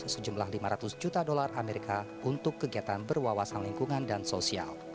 sejumlah lima ratus juta dolar amerika untuk kegiatan berwawasan lingkungan dan sosial